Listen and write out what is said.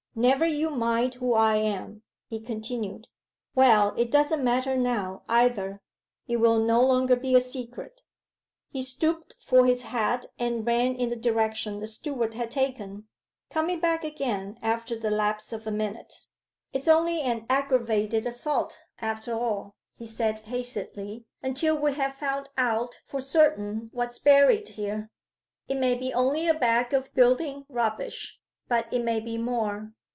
'Never you mind who I am,' he continued. 'Well, it doesn't matter now, either it will no longer be a secret.' He stooped for his hat and ran in the direction the steward had taken coming back again after the lapse of a minute. 'It's only an aggravated assault, after all,' he said hastily, 'until we have found out for certain what's buried here. It may be only a bag of building rubbish; but it may be more.